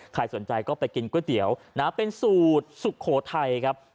ใครสนใจก็ไปกินก๋วยเตี๋ยวนะเป็นสูตรสุโขทัยครับ